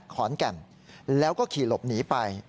ขอนแก่นแล้วก็ขี่หลบหนีไป